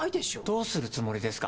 どうするつもりですか？